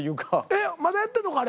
えっまだやってんのか？